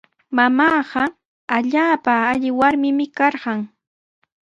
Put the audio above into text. Mamaaqa allaapa alli warmimi karqan.